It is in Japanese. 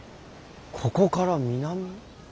ここから南。